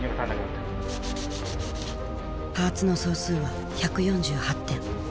パーツの総数は１４８点。